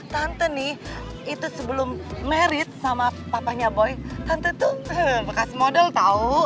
tante nih itu sebelum married sama papanya boy tante tuh bekas model tahu